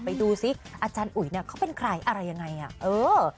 ไปดูสิอาจารย์อุ๋ยเขาเป็นใครอะไรยังไง